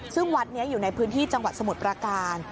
ซึ่งวัดนี้อยู่ในพื้นที่จังหวัดสมุทรประการ